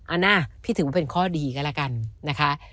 อ่ะนะพี่ถือว่าเป็นข้อดีก็แล้วกันนะคะ